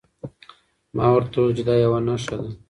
ما ورته وویل چې دا یوه نښه ده.